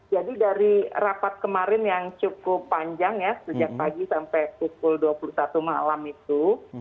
jadi dari rapat kemarin yang cukup panjang ya sejak pagi sampai pukul dua puluh satu malam itu